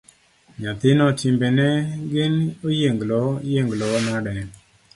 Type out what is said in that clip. Nyathino timbene gin oyienglo yienglo nade.